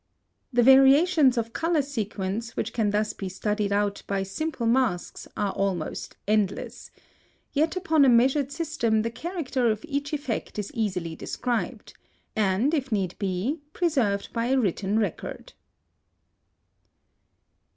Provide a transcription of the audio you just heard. (170) The variations of color sequence which can thus be studied out by simple masks are almost endless; yet upon a measured system the character of each effect is easily described, and, if need be, preserved by a written record.